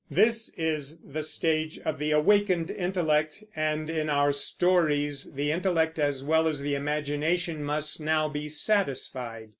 This is the stage of the awakened intellect, and in our stories the intellect as well as the imagination must now be satisfied.